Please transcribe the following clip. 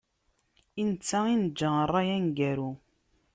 I netta i neǧǧa rray aneggaru.